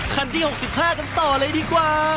คันที่๖๕กันต่อเลยดีกว่า